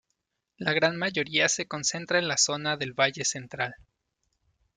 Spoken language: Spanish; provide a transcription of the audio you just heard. La gran mayoría se concentra en la zona del Valle Central.